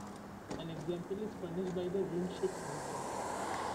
An example is furnished by the ring-shaped region.